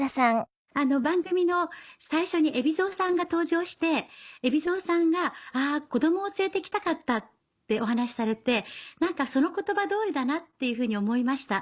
番組の最初に海老蔵さんが登場して海老蔵さんが「あ子供を連れて来たかった」ってお話されて何かその言葉通りだなっていうふうに思いました。